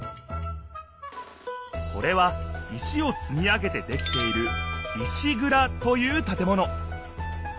これは石をつみ上げてできている石ぐらという建物